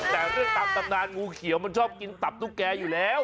แต่เรื่องตามตำนานงูเขียวมันชอบกินตับตุ๊กแกอยู่แล้ว